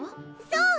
そう！